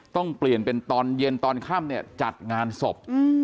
ต้องเปลี่ยนเป็นตอนเย็นตอนค่ำเนี่ยจัดงานศพ